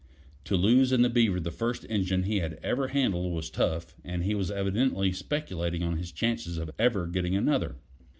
To lose in the Beaver the first engine he ever handled was tough, and he was evidently speculating on his chances of ever getting another.